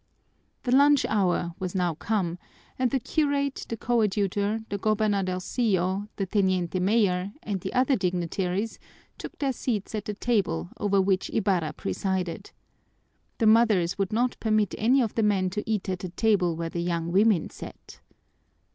The lunch hour was now come, and the curate, the coadjutor, the gobernadorcillo, the teniente mayor, and the other dignitaries took their seats at the table over which Ibarra presided. The mothers would not permit any of the men to eat at the table where the young women sat.